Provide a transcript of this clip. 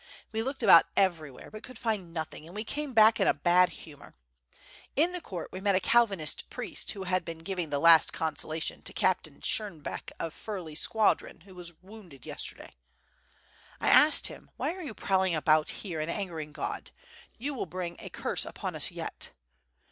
We looked about every where, but could find nothing, and we came back in a bad humor. In the Court we met a Calvinist priest who had been giving the last consolation to Captain Shenberk of Firley'a squadron, who was wounded yesterday. I asked him: ^Wliy are you prowling about here and angering God? You will bring a curse upon us yet!'